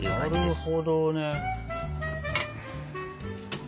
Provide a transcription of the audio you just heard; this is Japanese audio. なるほどね。